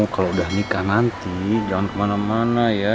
kalau udah nikah nanti jangan kemana mana ya